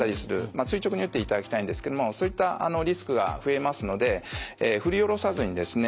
垂直に打っていただきたいんですけどもそういったリスクが増えますので振り下ろさずにですね